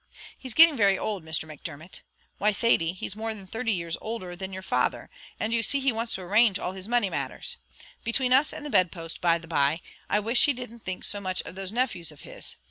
He's getting very old, Mr. Macdermot. Why, Thady, he's more than thirty years older than your father; and you see he wants to arrange all his money matters. Between us and the bedpost, by the by, I wish he didn't think so much of those nephews of his.